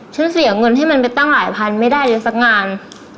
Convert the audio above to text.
ฉันเสียเงินให้มันไปตั้งหลายพันไม่ได้เลยสักงาน